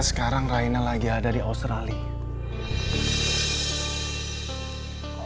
sekarang raina lagi ada di australia